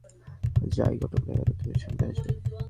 যাই ঘটুক না কেন, তুমি সামনে আসবে না।